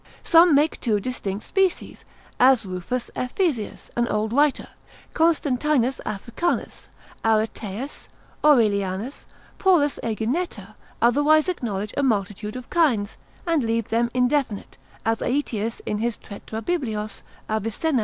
Some make two distinct species, as Ruffus Ephesius, an old writer, Constantinus Africanus, Aretaeus, Aurelianus, Paulus Aegineta: others acknowledge a multitude of kinds, and leave them indefinite, as Aetius in his Tetrabiblos, Avicenna, lib. 3. Fen.